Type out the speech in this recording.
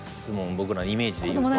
僕のイメージで言うと。